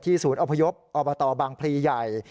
ศูนย์อพยพอบตบางพลีใหญ่